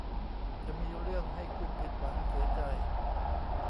จะมีเรื่องให้คุณผิดหวังเสียใจ